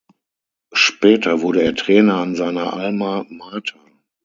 Später wurde er Trainer an seiner Alma Mater.